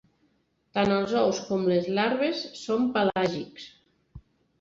Tant els ous com les larves són pelàgics.